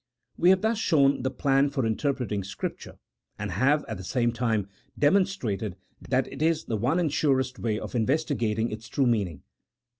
We have thus shown the plan for interpreting Scripture, and have, at the same time, demonstrated that it is the one and surest way of investigating its true meaning.